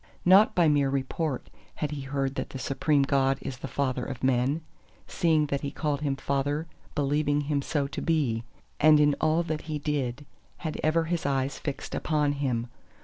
Not by mere report had he heard that the Supreme God is the Father of men: seeing that he called Him Father believing Him so to be, and in all that he did had ever his eyes fixed upon Him.